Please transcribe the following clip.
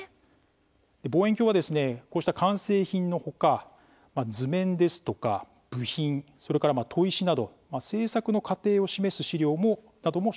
望遠鏡はですねこうした完成品のほか図面ですとか部品それから砥石など製作の過程を示す史料なども紹介をしています。